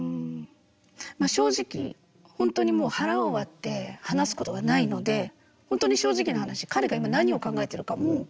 正直本当にもう腹を割って話すことがないので本当に正直な話彼が今何を考えているかも。